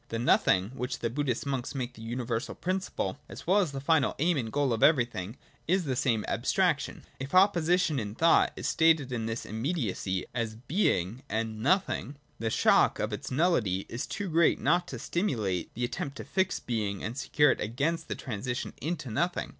The Nothing which the Buddhists make the universal prin ciple, as well as the final aim and goal of everything, is the same abstraction. (2) If the opposition in thought is stated in this im mediacy as Being and Nothing, the shock of its nullity is too great not to stimulate the attempt to fix Being and secure it against the transition into Nothing.